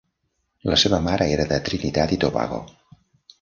La seva mare era de Trinidad i Tobago.